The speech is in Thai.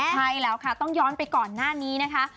ใช่แล้วค่ะต้องย้อนไปก่อนหน้านี้นะคะ